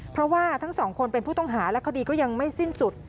เพราะว่าทั้งสองคนเป็นผู้ต้องหาและคดีก็ยังไม่สิ้นสุด